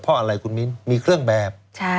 เพราะอะไรคุณมิ้นมีเครื่องแบบ